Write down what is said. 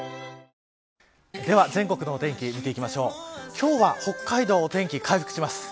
今日は北海道のお天気は回復します